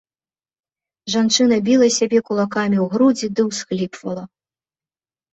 Жанчына біла сябе кулакамі ў грудзі ды ўсхліпвала.